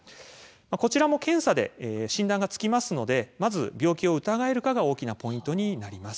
こちらも検査で診断がつきますのでまず病気を疑えるかが大きなポイントになります。